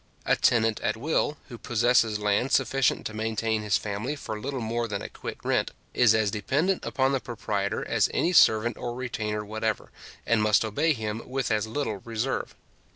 A tenant at will, who possesses land sufficient to maintain his family for little more than a quit rent, is as dependent upon the proprietor as any servant or retainer whatever, and must obey him with as little reserve.